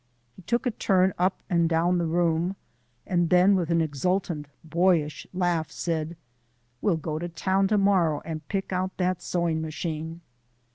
He took a turn up and down the room, and then with an exultant boyish laugh said: "We'll go to town to morrow and pick out that sewing machine!"